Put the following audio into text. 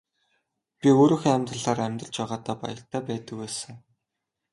Би өөрийнхөө амьдралаар амьдарч байгаадаа баяртай байдаг байсан.